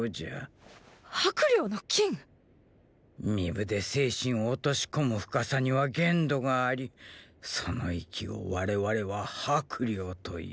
魄領の禁⁉巫舞で精神を落とし込む深さには限度がありその域を我々は“魄領”と言う。